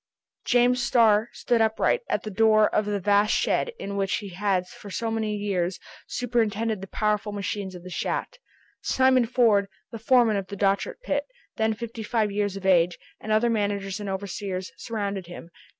James Starr stood upright, at the door of the vast shed in which he had for so many years superintended the powerful machines of the shaft. Simon Ford, the foreman of the Dochart pit, then fifty five years of age, and other managers and overseers, surrounded him.